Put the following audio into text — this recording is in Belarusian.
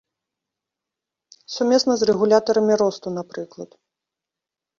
Сумесна з рэгулятарамі росту, напрыклад.